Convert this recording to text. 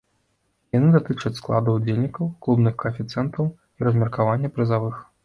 Яны датычаць складу ўдзельнікаў, клубных каэфіцыентаў і размеркавання прызавых.